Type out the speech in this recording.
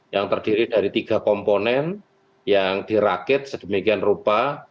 yang terdiri dari tiga komponen yang dirakit sedemikian rupa